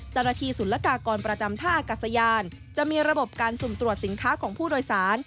จรษฐีศูนยากากรประจำท่ากัสยานจะมีระบบการสุนตรวจสินค้าของผู้โดยสาร